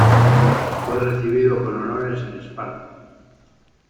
Fue recibido con honores en Esparta.